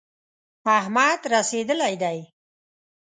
احمد رسېدلی دی.